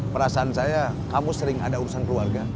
perasaan saya kamu sering ada urusan keluarga